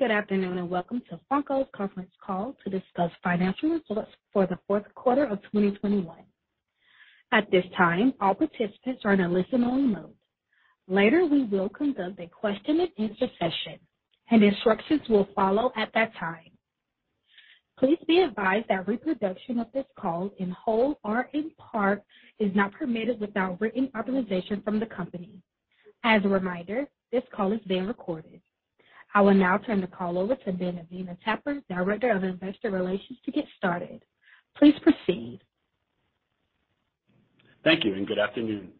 Good afternoon, and welcome to Funko's conference call to discuss financial results for the fourth quarter of 2021. At this time, all participants are in a listen-only mode. Later, we will conduct a question-and-answer session, and instructions will follow at that time. Please be advised that reproduction of this call in whole or in part is not permitted without written authorization from the company. As a reminder, this call is being recorded. I will now turn the call over to Ben Avenia-Tapper, Director of Investor Relations to get started. Please proceed. Thank you and good afternoon.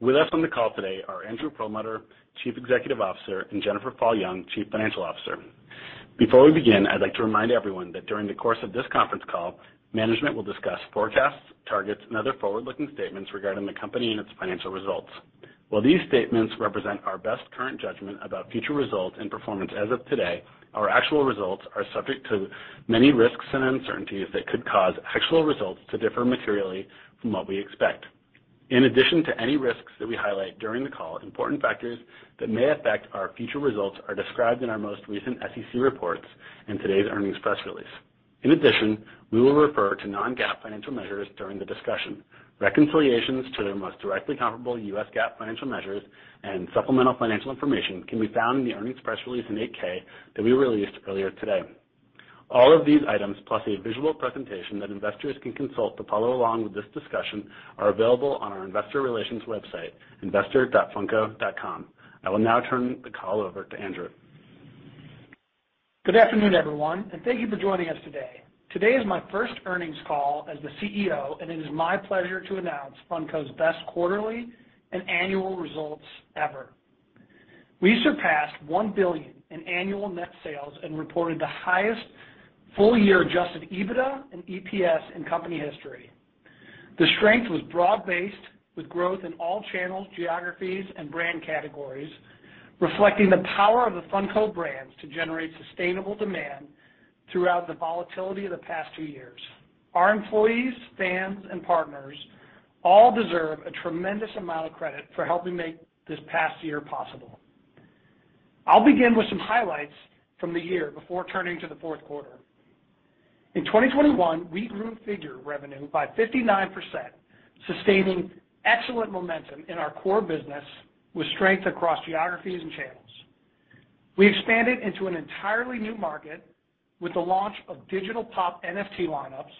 With us on the call today are Andrew Perlmutter, Chief Executive Officer, and Jennifer Fall Jung, Chief Financial Officer. Before we begin, I'd like to remind everyone that during the course of this conference call, management will discuss forecasts, targets, and other forward-looking statements regarding the company and its financial results. While these statements represent our best current judgment about future results and performance as of today, our actual results are subject to many risks and uncertainties that could cause actual results to differ materially from what we expect. In addition to any risks that we highlight during the call, important factors that may affect our future results are described in our most recent SEC reports and today's earnings press release. In addition, we will refer to non-GAAP financial measures during the discussion. Reconciliations to their most directly comparable U.S. GAAP financial measures and supplemental financial information can be found in the earnings press release in 8-K that we released earlier today. All of these items, plus a visual presentation that investors can consult to follow along with this discussion, are available on our investor relations website, investor.funko.com. I will now turn the call over to Andrew. Good afternoon, everyone, and thank you for joining us today. Today is my first earnings call as the CEO, and it is my pleasure to announce Funko's best quarterly and annual results ever. We surpassed $1 billion in annual net sales and reported the highest full-year adjusted EBITDA and EPS in company history. The strength was broad-based, with growth in all channels, geographies, and brand categories, reflecting the power of the Funko brands to generate sustainable demand throughout the volatility of the past two years. Our employees, fans, and partners all deserve a tremendous amount of credit for helping make this past year possible. I'll begin with some highlights from the year before turning to the fourth quarter. In 2021, we grew figure revenue by 59%, sustaining excellent momentum in our core business with strength across geographies and channels. We expanded into an entirely new market with the launch of Digital Pop! NFT lineups.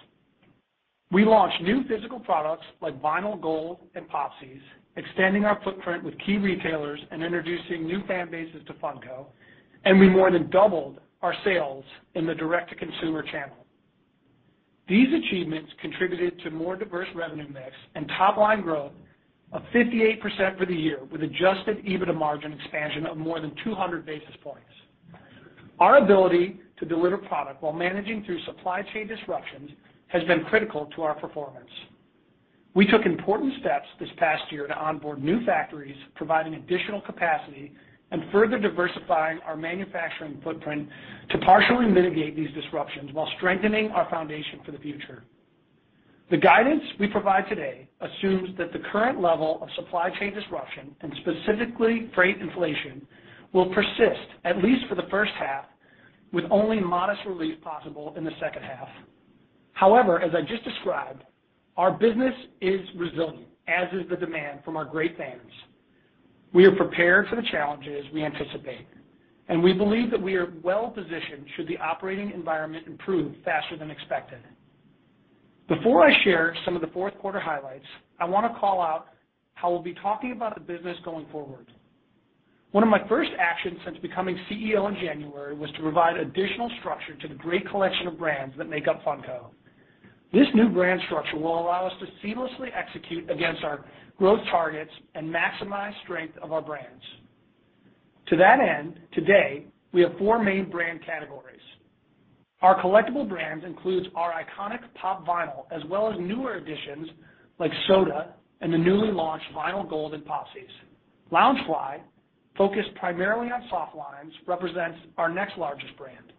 We launched new physical products like Vinyl Gold and Popsies, extending our footprint with key retailers and introducing new fan bases to Funko, and we more than doubled our sales in the direct-to-consumer channel. These achievements contributed to more diverse revenue mix and top-line growth of 58% for the year, with adjusted EBITDA margin expansion of more than 200 basis points. Our ability to deliver product while managing through supply chain disruptions has been critical to our performance. We took important steps this past year to onboard new factories, providing additional capacity and further diversifying our manufacturing footprint to partially mitigate these disruptions while strengthening our foundation for the future. The guidance we provide today assumes that the current level of supply chain disruption, and specifically freight inflation, will persist at least for the first half, with only modest relief possible in the second half. However, as I just described, our business is resilient, as is the demand from our great fans. We are prepared for the challenges we anticipate, and we believe that we are well-positioned should the operating environment improve faster than expected. Before I share some of the fourth quarter highlights, I wanna call out how we'll be talking about the business going forward. One of my first actions since becoming CEO in January was to provide additional structure to the great collection of brands that make up Funko. This new brand structure will allow us to seamlessly execute against our growth targets and maximize strength of our brands. To that end, today, we have four main brand categories. Our collectible brands includes our iconic Pop! Vinyl, as well as newer additions like Vinyl Soda and the newly launched Vinyl Gold and Popsies. Loungefly, focused primarily on soft lines, represents our next largest brand.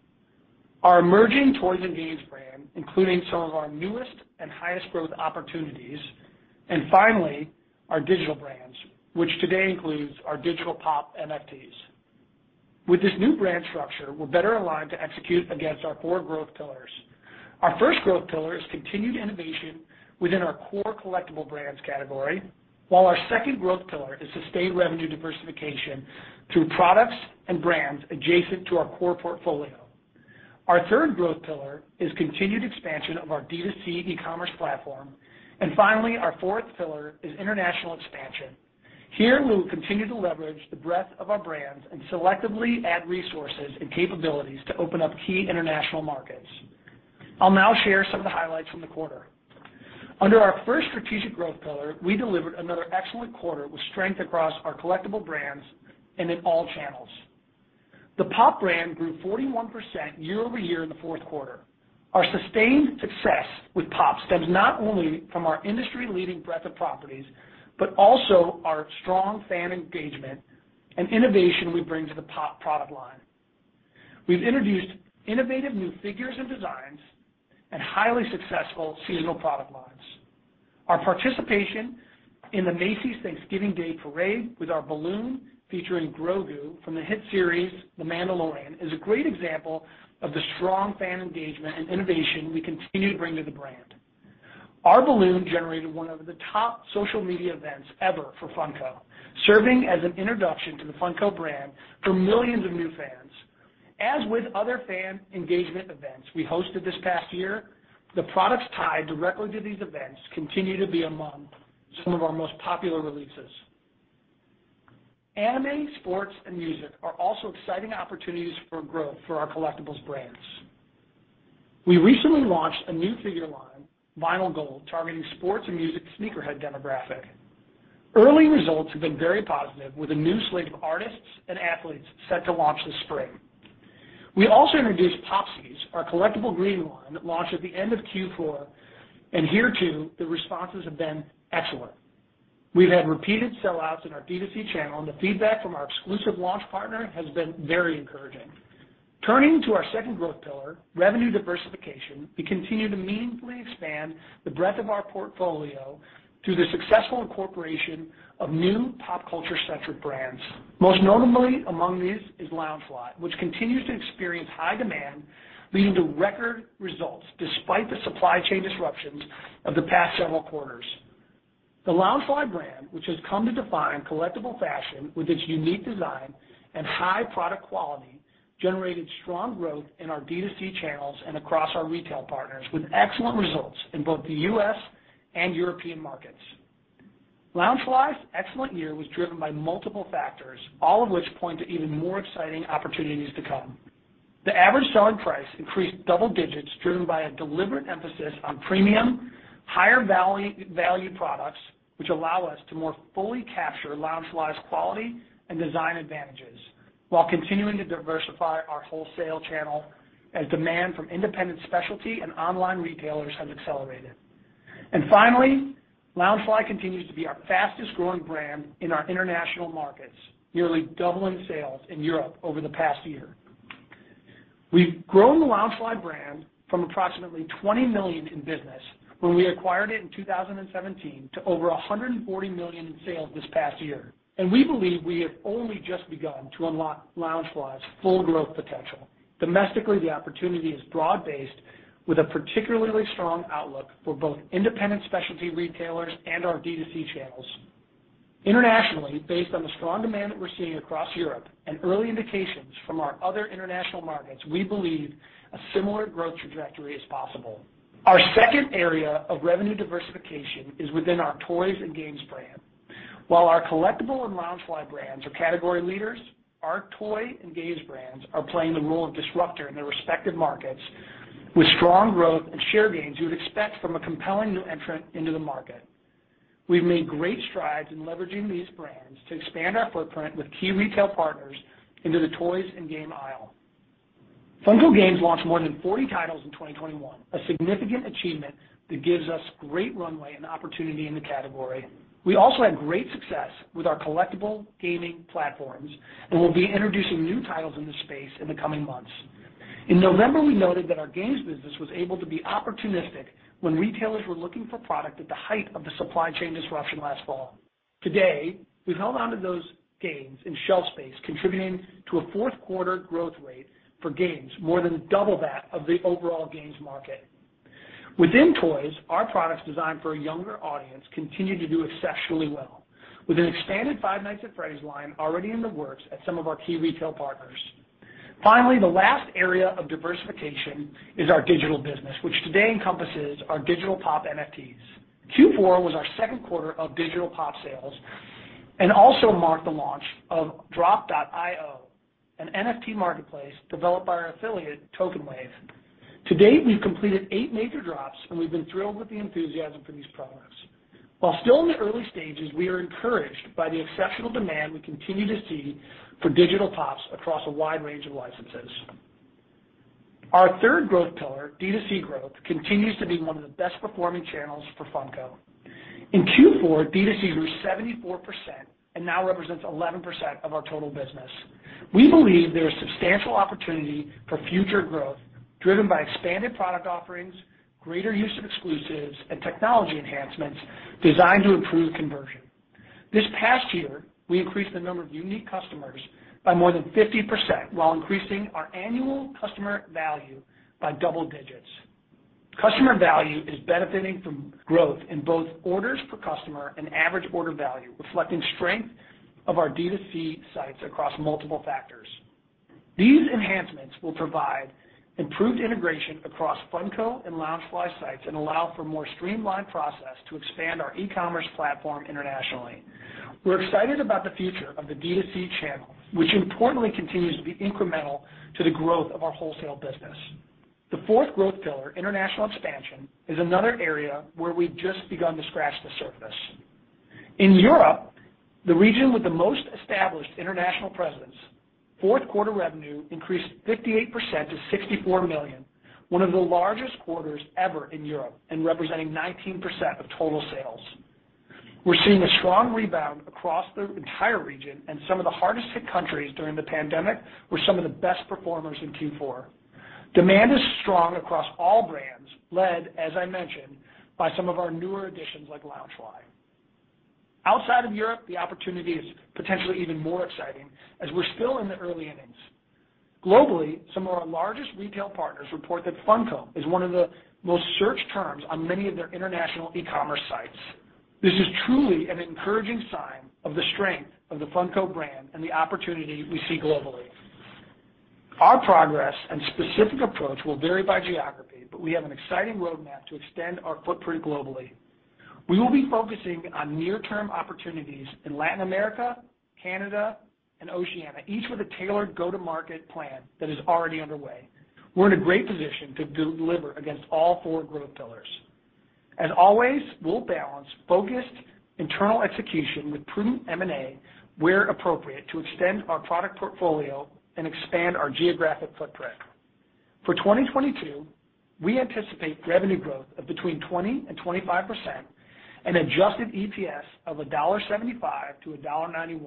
Our emerging toys and games brand, including some of our newest and highest growth opportunities. Our digital brands, which today includes our Digital Pop! NFTs. With this new brand structure, we're better aligned to execute against our four growth pillars. Our first growth pillar is continued innovation within our core collectible brands category, while our second growth pillar is sustained revenue diversification through products and brands adjacent to our core portfolio. Our third growth pillar is continued expansion of our D2C e-commerce platform. Our fourth pillar is international expansion. Here, we will continue to leverage the breadth of our brands and selectively add resources and capabilities to open up key international markets. I'll now share some of the highlights from the quarter. Under our first strategic growth pillar, we delivered another excellent quarter with strength across our collectible brands and in all channels. The Pop brand grew 41% year-over-year in the fourth quarter. Our sustained success with Pop stems not only from our industry-leading breadth of properties, but also our strong fan engagement and innovation we bring to the Pop product line. We've introduced innovative new figures and designs and highly successful seasonal product lines. Our participation in the Macy's Thanksgiving Day Parade with our balloon featuring Grogu from the hit series The Mandalorian is a great example of the strong fan engagement and innovation we continue to bring to the brand. Our balloon generated one of the top social media events ever for Funko, serving as an introduction to the Funko brand for millions of new fans. As with other fan engagement events we hosted this past year, the products tied directly to these events continue to be among some of our most popular releases. Anime, sports, and music are also exciting opportunities for growth for our Collectibles brands. We recently launched a new figure line, Vinyl Gold, targeting sports and music sneakerhead demographic. Early results have been very positive with a new slate of artists and athletes set to launch this spring. We also introduced Popsies, our collectible greeting line that launched at the end of Q4, and here too the responses have been excellent. We've had repeated sellouts in our D2C channel, and the feedback from our exclusive launch partner has been very encouraging. Turning to our second growth pillar, revenue diversification, we continue to meaningfully expand the breadth of our portfolio through the successful incorporation of new pop culture-centric brands. Most notably among these is Loungefly, which continues to experience high demand, leading to record results despite the supply chain disruptions of the past several quarters. The Loungefly brand, which has come to define collectible fashion with its unique design and high product quality, generated strong growth in our D2C channels and across our retail partners with excellent results in both the U.S. and European markets. Loungefly's excellent year was driven by multiple factors, all of which point to even more exciting opportunities to come. The average selling price increased double digits driven by a deliberate emphasis on premium, higher value products which allow us to more fully capture Loungefly's quality and design advantages while continuing to diversify our wholesale channel as demand from independent specialty and online retailers has accelerated. Finally, Loungefly continues to be our fastest-growing brand in our international markets, nearly doubling sales in Europe over the past year. We've grown the Loungefly brand from approximately $20 million in business when we acquired it in 2017 to over $140 million in sales this past year, and we believe we have only just begun to unlock Loungefly's full growth potential. Domestically, the opportunity is broad-based with a particularly strong outlook for both independent specialty retailers and our D2C channels. Internationally, based on the strong demand that we're seeing across Europe and early indications from our other international markets, we believe a similar growth trajectory is possible. Our second area of revenue diversification is within our Toys and Games brand. While our Collectible and Loungefly brands are category leaders, our Toys and Games brands are playing the role of disruptor in their respective markets with strong growth and share gains you would expect from a compelling new entrant into the market. We've made great strides in leveraging these brands to expand our footprint with key retail partners into the Toys and Games aisle. Funko Games launched more than 40 titles in 2021, a significant achievement that gives us great runway and opportunity in the category. We also had great success with our collectible gaming platforms, and we'll be introducing new titles in this space in the coming months. In November, we noted that our Games business was able to be opportunistic when retailers were looking for product at the height of the supply chain disruption last fall. Today, we've held on to those gains in shelf space, contributing to a fourth quarter growth rate for Games more than double that of the overall Games market. Within Toys, our products designed for a younger audience continue to do exceptionally well with an expanded Five Nights at Freddy's line already in the works at some of our key retail partners. Finally, the last area of diversification is our digital business, which today encompasses our Digital Pop! NFTs. Q4 was our second quarter of Digital Pop! sales and also marked the launch of Droppp.io, an NFT marketplace developed by our affiliate, TokenWave. To date, we've completed eight major drops, and we've been thrilled with the enthusiasm for these products. While still in the early stages, we are encouraged by the exceptional demand we continue to see for Digital Pop! across a wide range of licenses. Our third growth pillar, D2C growth, continues to be one of the best-performing channels for Funko. In Q4, D2C grew 74% and now represents 11% of our total business. We believe there is substantial opportunity for future growth driven by expanded product offerings, greater use of exclusives, and technology enhancements designed to improve conversion. This past year, we increased the number of unique customers by more than 50% while increasing our annual customer value by double digits. Customer value is benefiting from growth in both orders per customer and average order value, reflecting strength of our D2C sites across multiple factors. These enhancements will provide improved integration across Funko and Loungefly sites and allow for more streamlined process to expand our e-commerce platform internationally. We're excited about the future of the D2C channel, which importantly continues to be incremental to the growth of our wholesale business. The fourth growth pillar, international expansion, is another area where we've just begun to scratch the surface. In Europe, the region with the most established international presence, fourth quarter revenue increased 58% to $64 million, one of the largest quarters ever in Europe and representing 19% of total sales. We're seeing a strong rebound across the entire region, and some of the hardest hit countries during the pandemic were some of the best performers in Q4. Demand is strong across all brands, led, as I mentioned, by some of our newer additions like Loungefly. Outside of Europe, the opportunity is potentially even more exciting as we're still in the early innings. Globally, some of our largest retail partners report that Funko is one of the most searched terms on many of their international e-commerce sites. This is truly an encouraging sign of the strength of the Funko brand and the opportunity we see globally. Our progress and specific approach will vary by geography, but we have an exciting roadmap to extend our footprint globally. We will be focusing on near-term opportunities in Latin America, Canada, and Oceania, each with a tailored go-to-market plan that is already underway. We're in a great position to deliver against all four growth pillars. As always, we'll balance focused internal execution with prudent M&A where appropriate to extend our product portfolio and expand our geographic footprint. For 2022, we anticipate revenue growth of between 20% and 25% and adjusted EPS of $1.75-$1.91,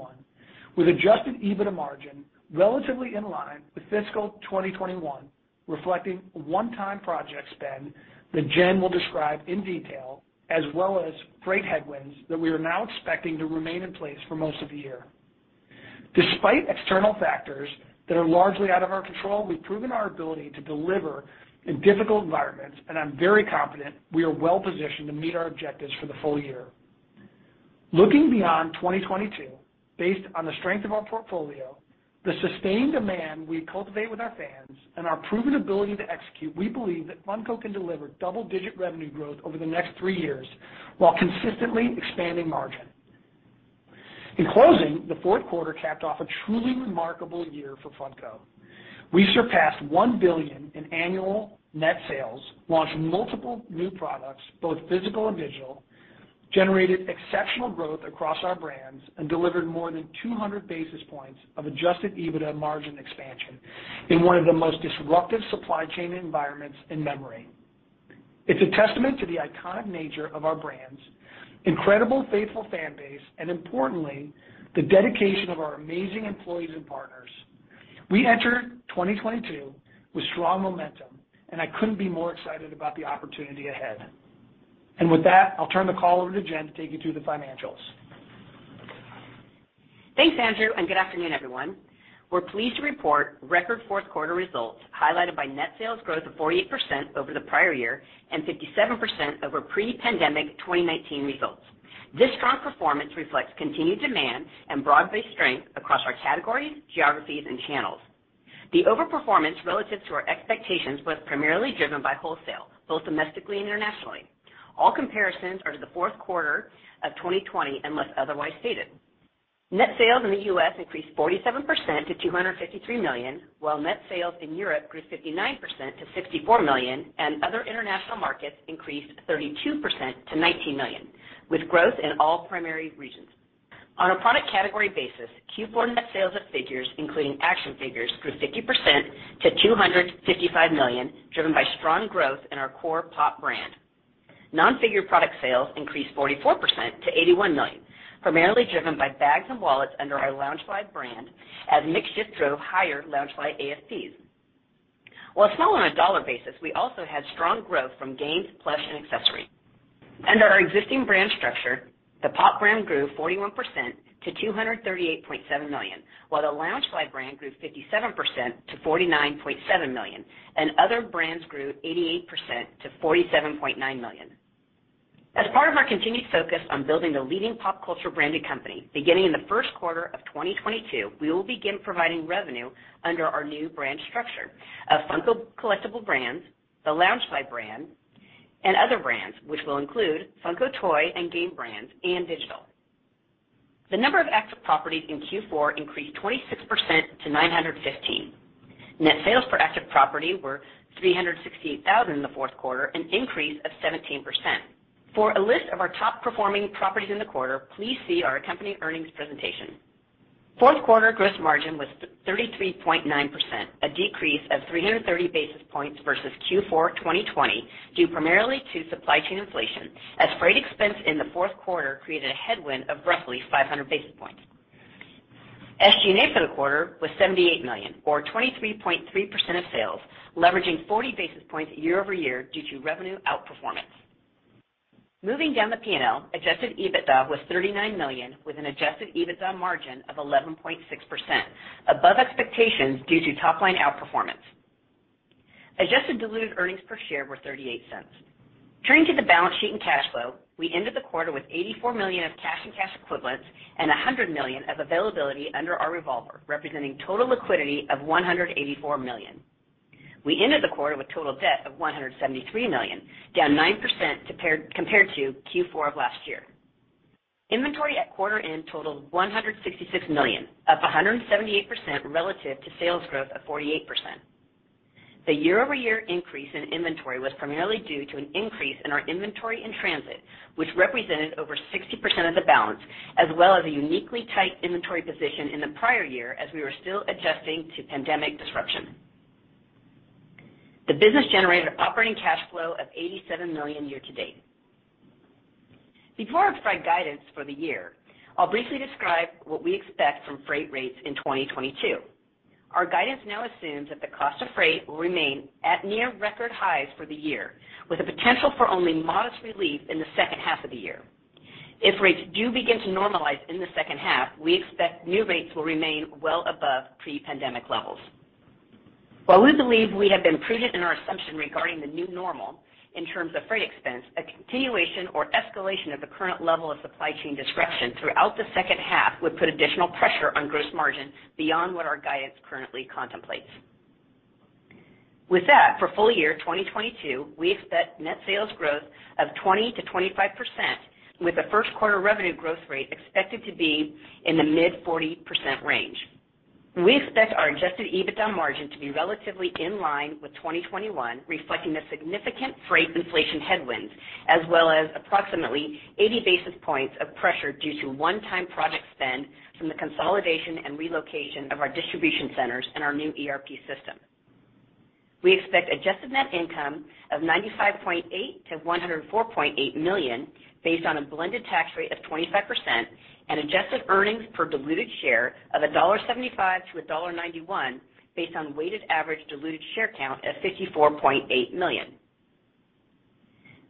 with adjusted EBITDA margin relatively in line with fiscal 2021, reflecting a one-time project spend that Jen will describe in detail, as well as freight headwinds that we are now expecting to remain in place for most of the year. Despite external factors that are largely out of our control, we've proven our ability to deliver in difficult environments, and I'm very confident we are well-positioned to meet our objectives for the full year. Looking beyond 2022, based on the strength of our portfolio, the sustained demand we cultivate with our fans, and our proven ability to execute, we believe that Funko can deliver double-digit revenue growth over the next three years while consistently expanding margin. In closing, the fourth quarter capped off a truly remarkable year for Funko. We surpassed $1 billion in annual net sales, launched multiple new products, both physical and digital, generated exceptional growth across our brands, and delivered more than 200 basis points of adjusted EBITDA margin expansion in one of the most disruptive supply chain environments in memory. It's a testament to the iconic nature of our brands, incredible faithful fan base, and importantly, the dedication of our amazing employees and partners. We enter 2022 with strong momentum, and I couldn't be more excited about the opportunity ahead. With that, I'll turn the call over to Jen to take you through the financials. Thanks, Andrew, and good afternoon, everyone. We're pleased to report record fourth quarter results highlighted by net sales growth of 48% over the prior year and 57% over pre-pandemic 2019 results. This strong performance reflects continued demand and broad-based strength across our categories, geographies, and channels. The overperformance relative to our expectations was primarily driven by wholesale, both domestically and internationally. All comparisons are to the fourth quarter of 2020, unless otherwise stated. Net sales in the U.S. increased 47% to $253 million, while net sales in Europe grew 59% to $64 million and other international markets increased 32% to $19 million, with growth in all primary regions. On a product category basis, Q4 net sales of figures, including action figures, grew 50% to $255 million, driven by strong growth in our core Pop! brand. Non-figure product sales increased 44% to $81 million, primarily driven by bags and wallets under our Loungefly brand as mix shift drove higher Loungefly ASPs. While small on a dollar basis, we also had strong growth from games, plush, and accessories. Under our existing brand structure, the Pop! brand grew 41% to $238.7 million, while the Loungefly brand grew 57% to $49.7 million, and other brands grew 88% to $47.9 million. As part of our continued focus on building the leading pop culture branded company, beginning in the first quarter of 2022, we will begin providing revenue under our new brand structure of Funko collectible brands, the Loungefly brand, and other brands, which will include Funko toy and game brands and digital. The number of active properties in Q4 increased 26% to 915. Net sales per active property were $368,000 in the fourth quarter, an increase of 17%. For a list of our top-performing properties in the quarter, please see our accompanying earnings presentation. Fourth quarter gross margin was 33.9%, a decrease of 330 basis points versus Q4 2020 due primarily to supply chain inflation as freight expense in the fourth quarter created a headwind of roughly 500 basis points. SG&A for the quarter was $78 million or 23.3% of sales, leveraging 40 basis points year-over-year due to revenue outperformance. Moving down the P&L, adjusted EBITDA was $39 million with an adjusted EBITDA margin of 11.6%, above expectations due to top-line outperformance. Adjusted diluted earnings per share were $0.38. Turning to the balance sheet and cash flow, we ended the quarter with $84 million of cash and cash equivalents and $100 million of availability under our revolver, representing total liquidity of $184 million. We ended the quarter with total debt of $173 million, down 9% compared to Q4 of last year. Inventory at quarter end totaled $166 million, up 178% relative to sales growth of 48%. The year-over-year increase in inventory was primarily due to an increase in our inventory in transit, which represented over 60% of the balance, as well as a uniquely tight inventory position in the prior year as we were still adjusting to pandemic disruption. The business generated operating cash flow of $87 million year-to-date. Before I provide guidance for the year, I'll briefly describe what we expect from freight rates in 2022. Our guidance now assumes that the cost of freight will remain at near record highs for the year, with a potential for only modest relief in the second half of the year. If rates do begin to normalize in the second half, we expect new rates will remain well above pre-pandemic levels. While we believe we have been prudent in our assumption regarding the new normal in terms of freight expense, a continuation or escalation of the current level of supply chain disruption throughout the second half would put additional pressure on gross margin beyond what our guidance currently contemplates. With that, for full year 2022, we expect net sales growth of 20%-25%, with the first quarter revenue growth rate expected to be in the mid-40% range. We expect our adjusted EBITDA margin to be relatively in line with 2021, reflecting the significant freight inflation headwinds, as well as approximately 80 basis points of pressure due to one-time project spend from the consolidation and relocation of our distribution centers and our new ERP system. We expect adjusted net income of $95.8 million-$104.8 million based on a blended tax rate of 25% and adjusted earnings per diluted share of $1.75-$1.91 based on weighted average diluted share count of 54.8 million.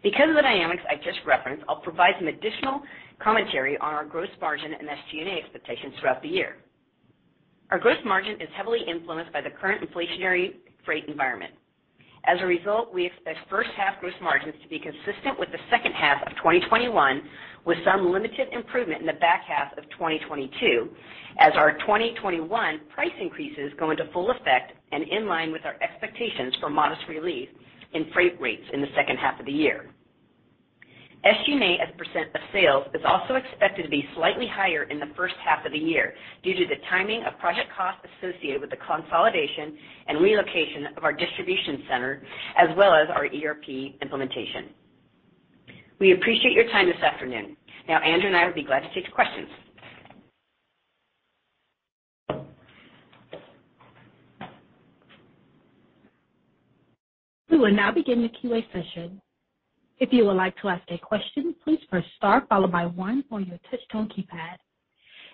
Because of the dynamics I just referenced, I'll provide some additional commentary on our gross margin and SG&A expectations throughout the year. Our gross margin is heavily influenced by the current inflationary freight environment. As a result, we expect first half gross margins to be consistent with the second half of 2021, with some limited improvement in the back half of 2022 as our 2021 price increases go into full effect and in line with our expectations for modest relief in freight rates in the second half of the year. SG&A as percent of sales is also expected to be slightly higher in the first half of the year due to the timing of project costs associated with the consolidation and relocation of our distribution center, as well as our ERP implementation. We appreciate your time this afternoon. Now, Andrew and I will be glad to take your questions. We will now begin the Q&A session. If you would like to ask a question, please press star followed by one on your touch tone keypad.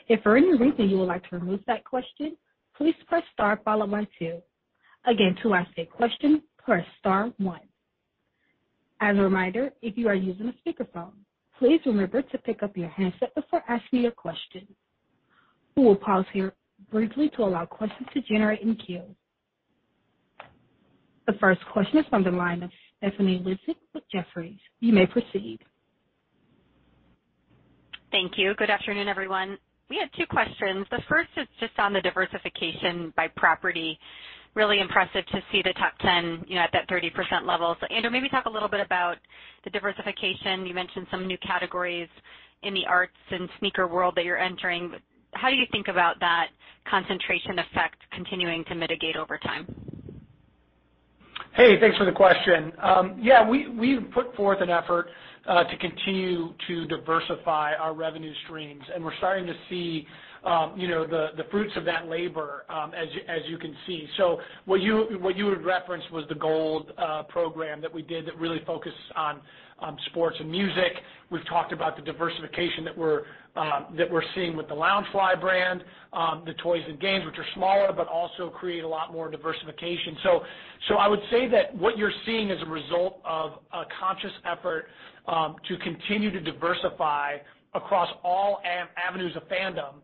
If for any reason you would like to remove that question, please press star followed by two. Again, to ask a question, press star one. As a reminder, if you are using a speakerphone, please remember to pick up your handset before asking your question. We will pause here briefly to allow questions to generate in queue. The first question is from the line of Stephanie Wissink with Jefferies. You may proceed. Thank you. Good afternoon, everyone. We have two questions. The first is just on the diversification by property. Really impressive to see the top 10, you know, at that 30% level. Andrew, maybe talk a little bit about the diversification. You mentioned some new categories in the arts and sneaker world that you're entering. How do you think about that concentration effect continuing to mitigate over time? Hey, thanks for the question. Yeah, we've put forth an effort to continue to diversify our revenue streams, and we're starting to see you know, the fruits of that labor as you can see. What you had referenced was the Gold program that we did that really focused on sports and music. We've talked about the diversification that we're seeing with the Loungefly brand, the toys and games, which are smaller, but also create a lot more diversification. I would say that what you're seeing is a result of a conscious effort to continue to diversify across all avenues of fandom.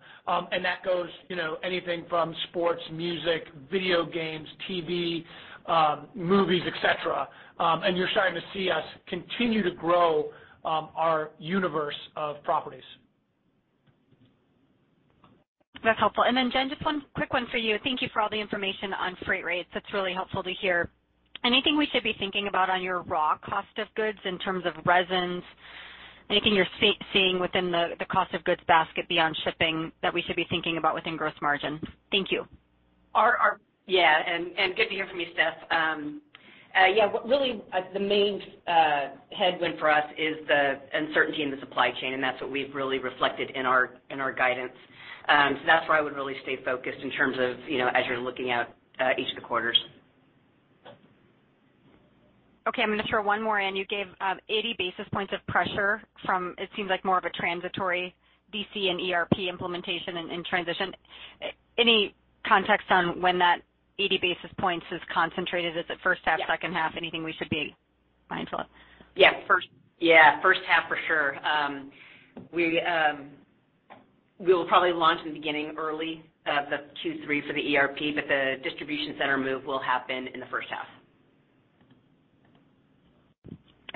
That goes you know, anything from sports, music, video games, TV, movies, et cetera. You're starting to see us continue to grow our universe of properties. That's helpful. Jen, just one quick one for you. Thank you for all the information on freight rates. That's really helpful to hear. Anything we should be thinking about on your raw cost of goods in terms of resins? Anything you're seeing within the cost of goods basket beyond shipping that we should be thinking about within gross margin? Thank you. Yeah, good to hear from you, Steph. What really is the main headwind for us is the uncertainty in the supply chain, and that's what we've really reflected in our guidance. That's where I would really stay focused in terms of, you know, as you're looking at each of the quarters. Okay, I'm gonna throw one more in. You gave 80 basis points of pressure from it seems like more of a transitory DC and ERP implementation and transition. Any context on when that 80 basis points is concentrated? Is it first half, second half? Anything we should be mindful of? Yeah. First half for sure. We'll probably launch early in the Q3 for the ERP, but the distribution center move will happen in the first half.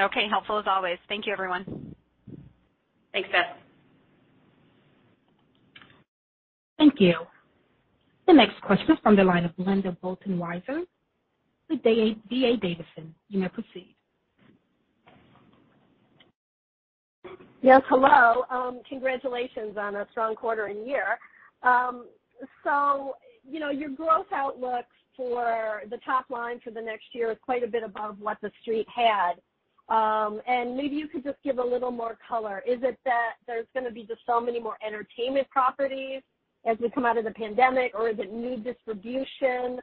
Okay. Helpful as always. Thank you, everyone. Thanks, Steph. Thank you. The next question is from the line of Linda Bolton Weiser with D.A. Davidson. You may proceed. Yes, hello. Congratulations on a strong quarter and year. So, you know, your growth outlook for the top line for the next year is quite a bit above what the street had. Maybe you could just give a little more color. Is it that there's gonna be just so many more entertainment properties as we come out of the pandemic or is it new distribution,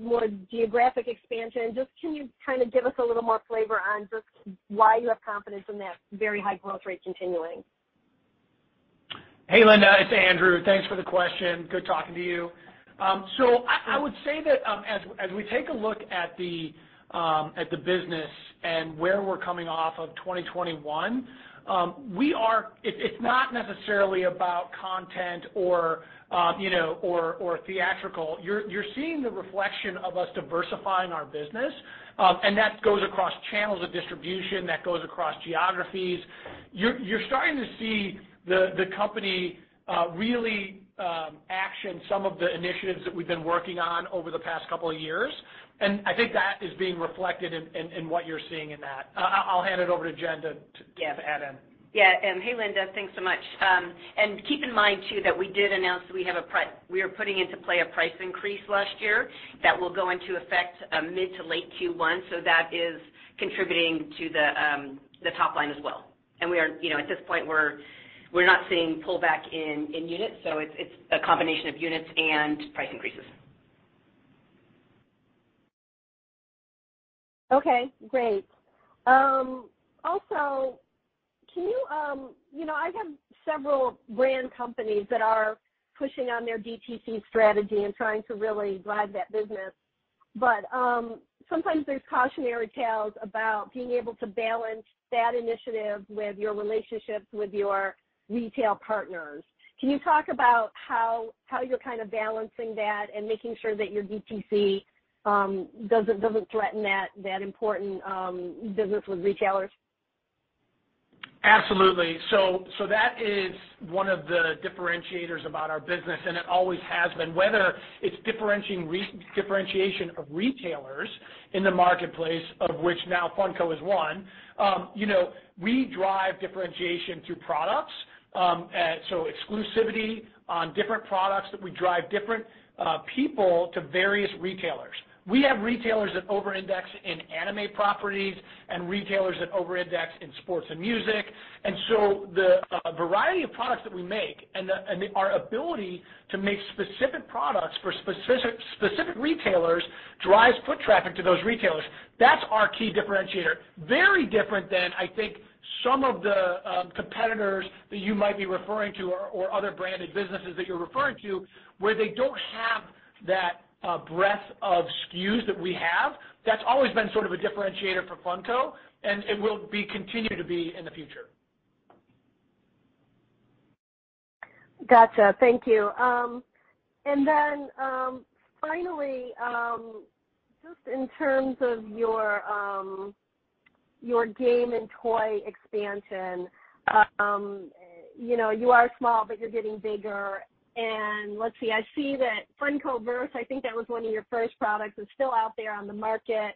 more geographic expansion? Just can you kind of give us a little more flavor on just why you have confidence in that very high growth rate continuing? Hey, Linda, it's Andrew. Thanks for the question. Good talking to you. So I would say that as we take a look at the business and where we're coming off of 2021, it's not necessarily about content or you know or theatrical. You're seeing the reflection of us diversifying our business, and that goes across channels of distribution, that goes across geographies. You're starting to see the company really acting on some of the initiatives that we've been working on over the past couple of years. I think that is being reflected in what you're seeing in that. I'll hand it over to Jen to add in. Yeah. Hey, Linda, thanks so much. Keep in mind too that we did announce that we are putting into play a price increase last year that will go into effect mid to late Q1, so that is contributing to the top line as well. We are, you know, at this point, we're not seeing pullback in units, so it's a combination of units and price increases. Okay, great. Also, can you know, I have several brand companies that are pushing on their DTC strategy and trying to really drive that business. Sometimes there's cautionary tales about being able to balance that initiative with your relationships with your retail partners. Can you talk about how you're kind of balancing that and making sure that your DTC doesn't threaten that important business with retailers? Absolutely. That is one of the differentiators about our business, and it always has been. Whether it's differentiation of retailers in the marketplace of which now Funko is one, you know, we drive differentiation through products, so exclusivity on different products that we drive different people to various retailers. We have retailers that over-index in anime properties and retailers that over-index in sports and music. The variety of products that we make and our ability to make specific products for specific retailers drives foot traffic to those retailers. That's our key differentiator. Very different than, I think, some of the competitors that you might be referring to or other branded businesses that you're referring to, where they don't have that breadth of SKUs that we have. That's always been sort of a differentiator for Funko, and it will be, continue to be in the future. Gotcha. Thank you. Finally, just in terms of your game and toy expansion, you know, you are small, but you're getting bigger. Let's see, I see that Funkoverse, I think that was one of your first products, is still out there on the market.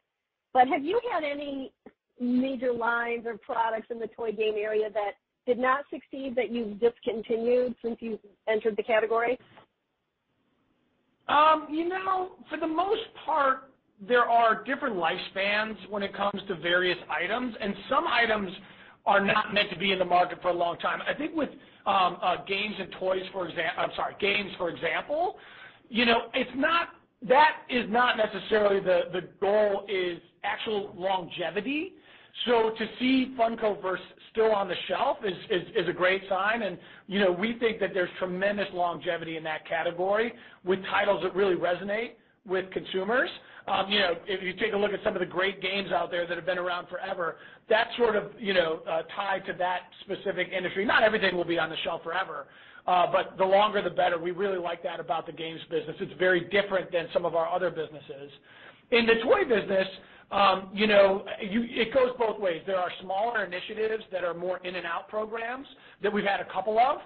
Have you had any major lines or products in the toy game area that did not succeed that you've discontinued since you've entered the category? You know, for the most part, there are different lifespans when it comes to various items, and some items are not meant to be in the market for a long time. I think with games and toys, games, for example, you know, that is not necessarily the goal is actual longevity. To see Funkoverse still on the shelf is a great sign. You know, we think that there's tremendous longevity in that category with titles that really resonate with consumers. You know, if you take a look at some of the great games out there that have been around forever, that sort of, you know, tie to that specific industry. Not everything will be on the shelf forever, but the longer the better. We really like that about the games business. It's very different than some of our other businesses. In the toy business, you know, it goes both ways. There are smaller initiatives that are more in-and-out programs that we've had a couple of,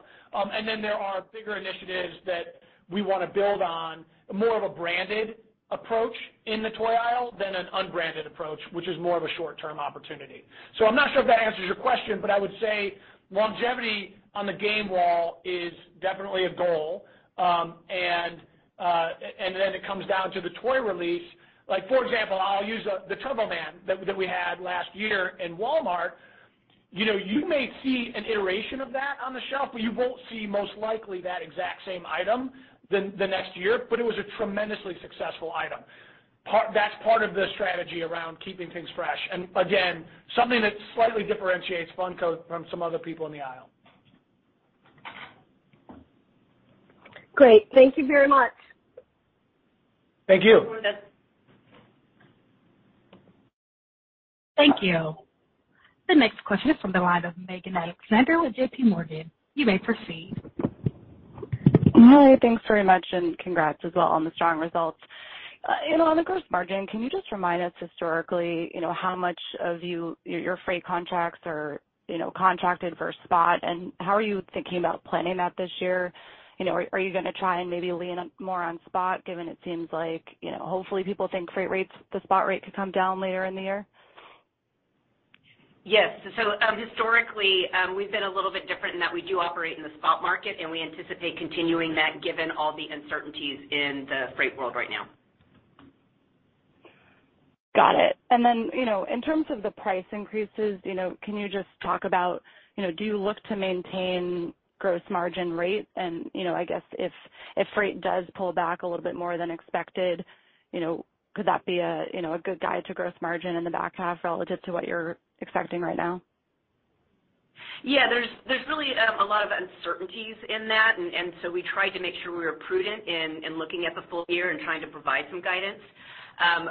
and then there are bigger initiatives that we wanna build on more of a branded approach in the toy aisle than an unbranded approach, which is more of a short-term opportunity. I'm not sure if that answers your question, but I would say longevity on the game wall is definitely a goal. Then it comes down to the toy release. Like, for example, I'll use the Turbo Man that we had last year in Walmart. You know, you may see an iteration of that on the shelf, but you won't see most likely that exact same item the next year, but it was a tremendously successful item. That's part of the strategy around keeping things fresh, and again, something that slightly differentiates Funko from some other people in the aisle. Great. Thank you very much. Thank you. You're welcome. Thank you. The next question is from the line of Megan Alexander with JPMorgan. You may proceed. Hi, thanks very much, and congrats as well on the strong results. You know, on the gross margin, can you just remind us historically, you know, how much of your freight contracts are, you know, contracted for spot, and how are you thinking about planning that this year? You know, are you gonna try and maybe lean in more on spot given it seems like, you know, hopefully people think freight rates, the spot rate could come down later in the year? Yes. Historically, we've been a little bit different in that we do operate in the spot market, and we anticipate continuing that given all the uncertainties in the freight world right now. Got it. You know, in terms of the price increases, you know, can you just talk about, you know, do you look to maintain gross margin rate? You know, I guess if freight does pull back a little bit more than expected, you know, could that be a, you know, a good guide to gross margin in the back half relative to what you're expecting right now? Yeah. There's really a lot of uncertainties in that, and so we tried to make sure we were prudent in looking at the full year and trying to provide some guidance.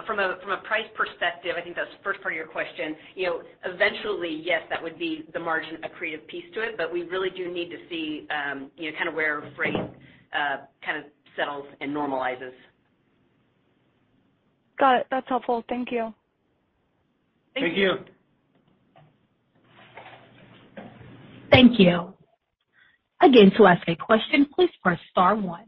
From a price perspective, I think that's the first part of your question, you know, eventually, yes, that would be the margin accretive piece to it, but we really do need to see, you know, kind of where freight kind of settles and normalizes. Got it. That's helpful. Thank you. Thank you. Thank you. Thank you. Again, to ask a question, please press star one.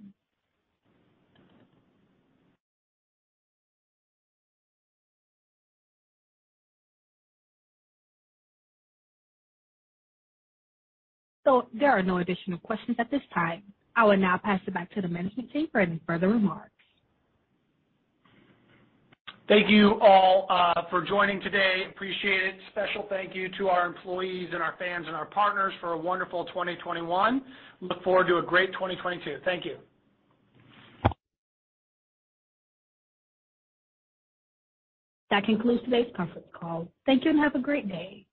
There are no additional questions at this time. I will now pass it back to the management team for any further remarks. Thank you all, for joining today. Appreciate it. Special thank you to our employees and our fans and our partners for a wonderful 2021. Look forward to a great 2022. Thank you. That concludes today's conference call. Thank you, and have a great day.